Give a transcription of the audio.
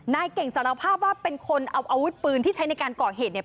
นายเก่งสารภาพว่าเป็นคนเอาอาวุธปืนที่ใช้ในการก่อเหตุเนี่ย